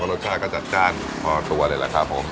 รสชาติก็จัดจ้านพอตัวเลยแหละครับผม